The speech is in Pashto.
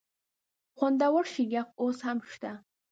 خوندور شریخ اوس هم شته؟